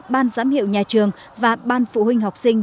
ban giám hiệu nhà trường và ban phụ huynh học sinh